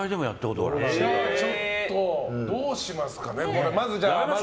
じゃあちょっとどうしますかね。